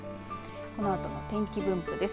このあとの天気分布です。